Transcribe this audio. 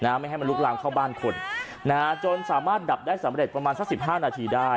ไม่ให้มันลุกลามเข้าบ้านคนนะฮะจนสามารถดับได้สำเร็จประมาณสักสิบห้านาทีได้